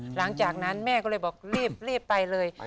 หลังจากนั้นแม่ก็เลยบอกรีบไปเลย